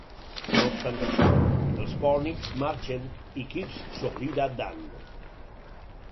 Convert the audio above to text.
No obstant això, els Pornicks marxen i Kipps s'oblida d'Ann.